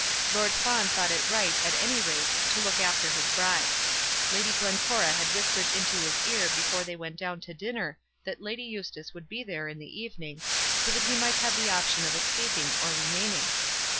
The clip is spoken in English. Lord Fawn thought it right, at any rate, to look after his bride. Lady Glencora had whispered into his ear before they went down to dinner that Lady Eustace would be there in the evening, so that he might have the option of escaping or remaining.